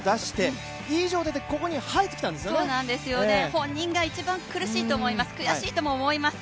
本人が一番苦しいと思います、悔しいとも思います。